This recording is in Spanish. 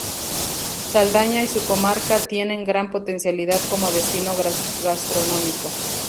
Saldaña y su comarca tienen gran potencialidad como destino gastronómico.